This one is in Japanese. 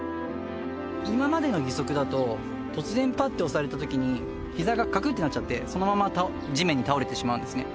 今までの義足だと突然、ぱって押されたときに、ひざがかくんってなっちゃって、そのまま地面に倒れてしまうんですね。